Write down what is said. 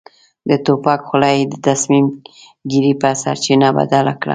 د توپک خوله يې د تصميم ګيرۍ په سرچينه بدله کړه.